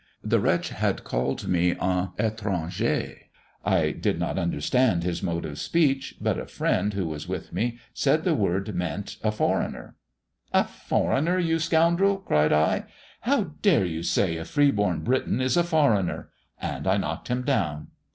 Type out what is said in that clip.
The wretch had called me 'un étranger.' I did not understand his mode of speech, but a friend who was with me said the words meant 'a foreigner.' 'A foreigner, you scoundrel!' cried I. 'How dare you say a free born Briton is a foreigner!' and I knocked him down.